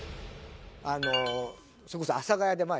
あのそれこそ阿佐谷で前ね